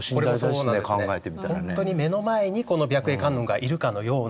ほんとに目の前にこの白衣観音がいるかのようなですね。